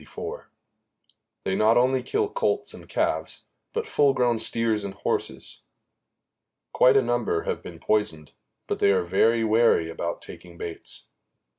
They not only kill colts and calves, but full grown steers and horses. Quite a number have been poisoned, but they are very wary about taking baits.